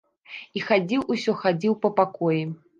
І хадзіў, усё хадзіў па пакоі.